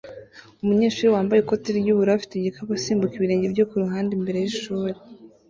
umunyeshuri wambaye ikoti ry'ubururu afite igikapu asimbuka ibirenge bye kuruhande imbere yishuri